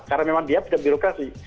karena memang dia bukan birokrasi